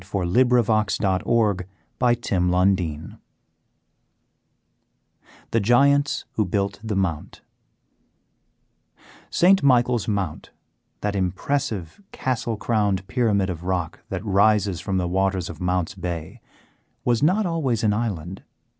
[Illustration: Truro Cathedral] THE GIANTS WHO BUILT THE MOUNT St. Michael's Mount, that impressive castle crowned pyramid of rock that rises from the waters of Mounts Bay, was not always an island.